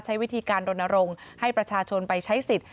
ใช้วิธีการรณรงค์ให้ประชาชนไปใช้สิทธิ์